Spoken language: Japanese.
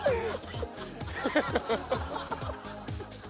ハハハハッ。